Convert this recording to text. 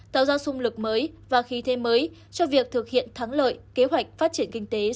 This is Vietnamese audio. tạo ra sung lực mới và khí thế mới cho việc thực hiện thắng lợi kế hoạch phát triển kinh tế